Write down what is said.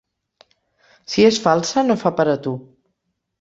Si és falsa no fa per a tu.